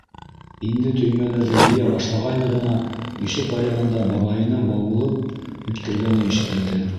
Инде төймәләрҙе йыя башлағайны ғына, ишек аръяғында бабайының быуылып йүткергәне ишетелде.